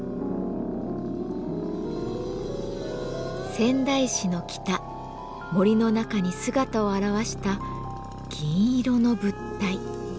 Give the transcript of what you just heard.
仙台市の北森の中に姿を現した銀色の物体